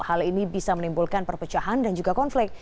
hal ini bisa menimbulkan perpecahan dan juga konflik